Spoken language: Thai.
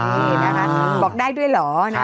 นี่นะคะบอกได้ด้วยเหรอ